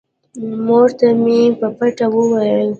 مور ته مې په پټه وويل.